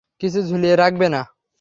কিছু ঝুলিয়ে রাখবে না।